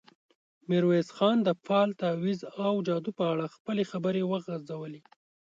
ميرويس خان د فال، تاويذ او جادو په اړه خپلې خبرې وغځولې.